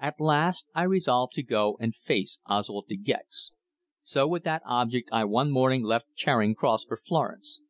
At last I resolved to go and face Oswald De Gex, so with that object I one morning left Charing Cross for Florence.